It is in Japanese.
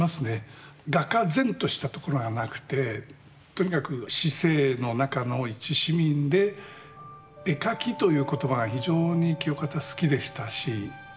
画家然としたところがなくてとにかく市井の中の一市民で「絵描き」という言葉が非常に清方は好きでしたしよく使いましたね。